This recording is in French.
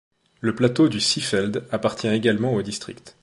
Le plateau du Seefeld appartient également au district.